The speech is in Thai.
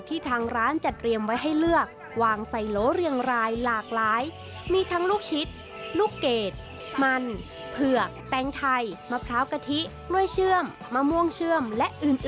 ที่ทางร้านจะเตรียมไว้ให้เลือก